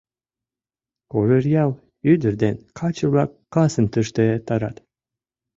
Кожеръял ӱдыр ден каче-влак касым тыште эртарат.